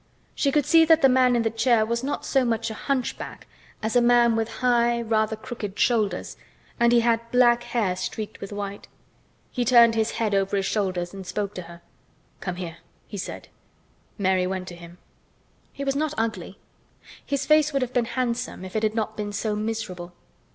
She could see that the man in the chair was not so much a hunchback as a man with high, rather crooked shoulders, and he had black hair streaked with white. He turned his head over his high shoulders and spoke to her. "Come here!" he said. Mary went to him. He was not ugly. His face would have been handsome if it had not been so miserable.